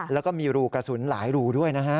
แล้วก็มีรูกระสุนหลายรูด้วยนะฮะ